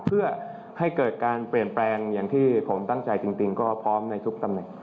เพื่อให้เกิดการเปลี่ยนแปลงอย่างที่ผมตั้งใจจริงก็พร้อมในทุกตำแหน่ง